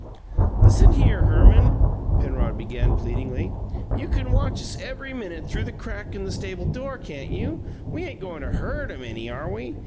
"Listen here, Herman," Penrod began pleadingly. "You can watch us every minute through the crack in the stable door, can't you? We ain't goin' to HURT 'em any, are we?